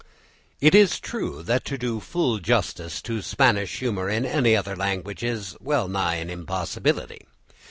It is true that to do full justice to Spanish humour in any other language is well nigh an impossibility.